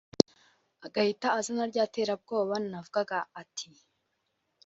agahita azana rya terabwoba navugaga ati